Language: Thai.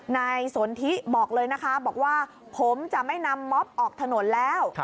นายสนทิบอกเลยนะคะบอกว่าผมจะไม่นำม็อบออกถนนแล้ว